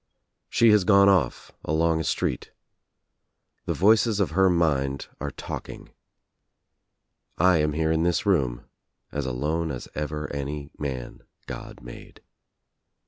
She has gone off, along a street. The voices of her mind are talking. I am here in this room, as alone as ever any man God made.